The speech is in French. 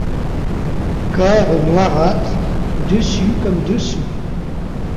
Corps noirâtre, dessus comme dessous.